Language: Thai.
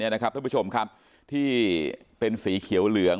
ท่านผู้ชมครับที่เป็นสีเขียวเหลือง